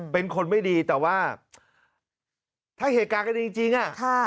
เป็นคนไม่ดีแต่ว่าถ้าเหตุการณ์กันดีจริงอ่ะค่ะ